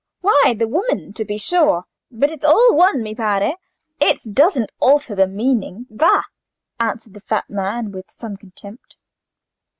"Why, the woman, to be sure; but it's all one, mi pare: it doesn't alter the meaning—va!" answered the fat man, with some contempt.